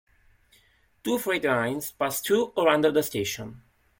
Two freight lines passed through or under the station.